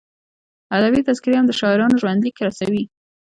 ادبي تذکرې هم د شاعرانو ژوندلیکونه رسوي.